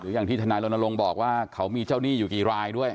อย่างที่ทนายรณรงค์บอกว่าเขามีเจ้าหนี้อยู่กี่รายด้วย